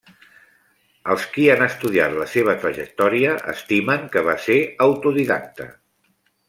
Els qui han estudiat la seva trajectòria estimen que va ser autodidacta.